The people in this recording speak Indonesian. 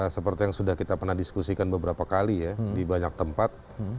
seperti yang sudah kita pernah diskusikan beberapa kali ya di banyak tempat